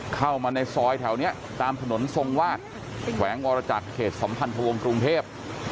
เข้ามาในซอยแถวนี้ตามถนนทรงวาดแขวงวรจักรเขตสัมพันธวงศ์กรุงเทพ